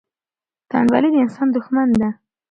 تنبلي د انسان دښمن ده.